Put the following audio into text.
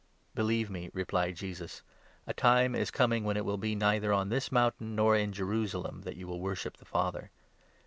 "Believe me," replied Jesus, "a time is coming when it 21 will be neither on this mountain nor in Jerusalem that you will worship the Father.